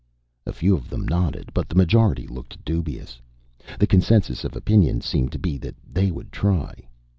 A few of them nodded, but the majority looked dubious. The consensus of opinion seemed to be that they would try.